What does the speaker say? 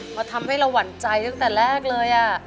พอทำให้เราหวั่นใจตั้งแต่แรกเลย